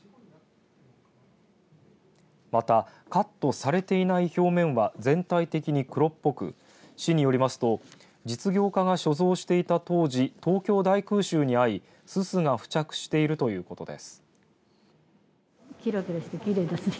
また、カットされていない表面は全体的に黒っぽく市によりますと実業家が所蔵していた当時東京大空襲に遭いすすが付着しているということです。